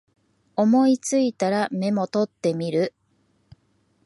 思いついたらメモ取ってみる